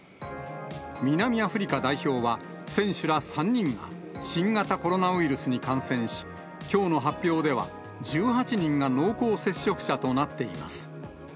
南アフリカ代表は、選手ら３人が新型コロナウイルスに感染し、きょうの発表では、１８人が濃厚接触者となっています。